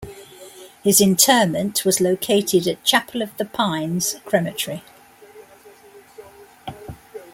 His interment was located at Chapel of the Pines Crematory.